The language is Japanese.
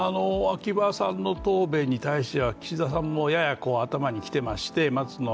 秋葉さんの答弁に対しては岸田さんも、やや頭にきていまして松野